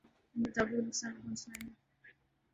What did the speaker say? اس سے دعوت کو نقصان پہنچتا ہے۔